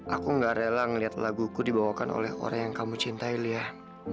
aku gak rela ngeliat laguku dibawakan oleh orang yang kamu cintai lia